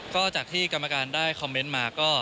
ก็จากที่กรรมการได้คอมเมนต์มาก็